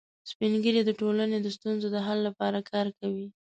سپین ږیری د ټولنې د ستونزو د حل لپاره کار کوي